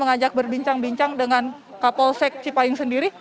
mengajak berbincang bincang dengan kapolsek cipayung sendiri